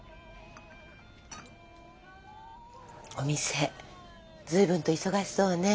お店随分と忙しそうね。